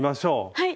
はい。